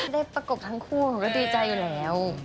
ประกบทั้งคู่หนูก็ดีใจอยู่แล้ว